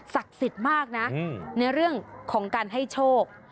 สิทธิ์มากนะในเรื่องของการให้โชค